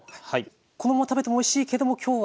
このまま食べてもおいしいけども今日は。